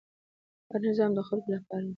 هر نظام د خلکو لپاره دی